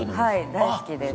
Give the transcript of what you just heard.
大好きです。